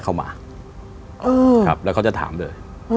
ครับเขาก็จะถามเลย